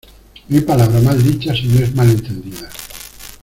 No hay palabra mal dicha si no es mal entendida.